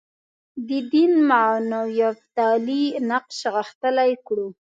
د دین معنویتپالی نقش غښتلی کړو.